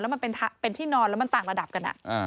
มันเป็นที่นอนแล้วมันต่างระดับกัน